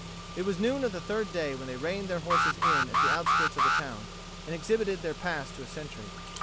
It was noon of the third day when they reined their horses in at the outskirts of the town, and exhibited their pass to a Sentry.